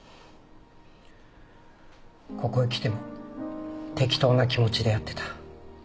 ここへ来ても適当な気持ちでやってた。